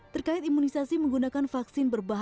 terkait imunisasi menggunakan vaksin berbahaya